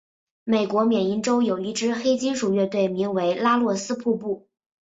美国缅因洲有一支黑金属乐队名为拉洛斯瀑布。